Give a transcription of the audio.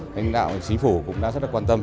lãnh đạo chính phủ cũng đã rất là quan tâm